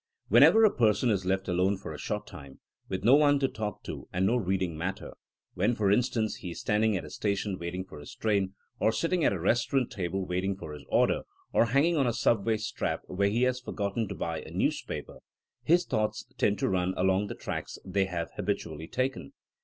Whenever a person is left alone for a short time, with no one to talk to and no reading matter'*; when for instance, he is standing at a station waiting for his train, or sitting at a restaurant table waiting for his order, or hang ing on a subway strap when he has forgotten to buy a newspaper, his thoughts '' tend to run along the tracks they have habitually taken.